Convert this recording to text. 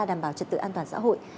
đảm bảo trật tự an toàn xã hội